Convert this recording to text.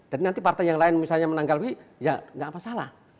dan nanti partai yang lain misalnya menanggal wi ya gak masalah